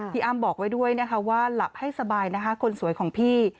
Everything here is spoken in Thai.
อ้ำบอกไว้ด้วยนะคะว่าหลับให้สบายนะคะคนสวยของพี่